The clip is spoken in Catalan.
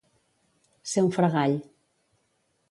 Ser un fregall.